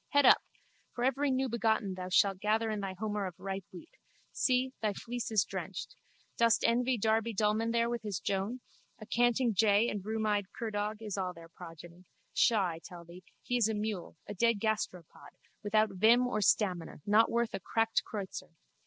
Head up! For every newbegotten thou shalt gather thy homer of ripe wheat. See, thy fleece is drenched. Dost envy Darby Dullman there with his Joan? A canting jay and a rheumeyed curdog is all their progeny. Pshaw, I tell thee! He is a mule, a dead gasteropod, without vim or stamina, not worth a cracked kreutzer.